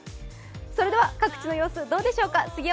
それでは、各地の様子どうでしょうか。